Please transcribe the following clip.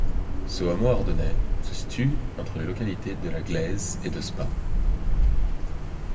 Ce hameau ardennais se situe entre les localités de La Gleize et de Spa.